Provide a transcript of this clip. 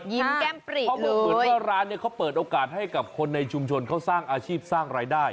ยิ้มแก้มปรีบเลยเค้าบอกว่าร้านเนี่ยเค้าเปิดโอกาสให้กับคนในชุมชนเค้าสร้างอาชีพสร้างรายได้